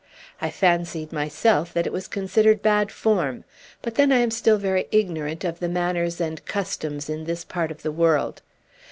I fancied myself that it was considered bad form; but then I am still very ignorant of the manners and customs in this part of the world.